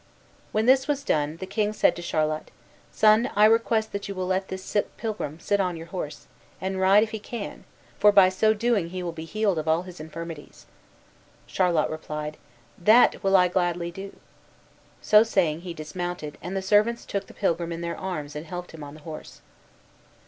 When this was done, the king said to Charlot, "Son, I request that you will let this sick pilgrim sit on your horse, and ride if he can, for by so doing he will be healed of all his infirmities." Charlot replied, "That will I gladly do." So saying, he dismounted, and the servants took the pilgrim in their arms, and helped him on the horse.